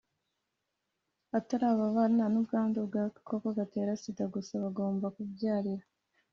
Atari ababana n ubwandu bw agakoko gatera sida gusa bagomba kubyarira